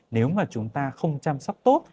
nếu mà chúng ta không chăm sóc tốt